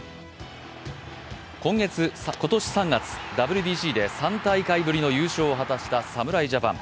今年３月、ＷＢＣで３大会ぶりの優勝を果たした侍ジャパン。